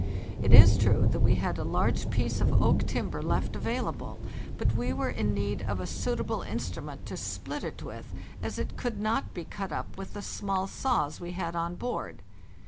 It is true that we had a large piece of oak timber left available, but we were in need of a suitable instrument to split it with, as it could not be cut up with the small saws we had on board.